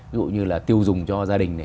ví dụ như là tiêu dùng cho gia đình này